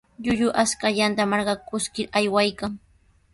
Llullu ashkallanta marqakuskir aywaykan.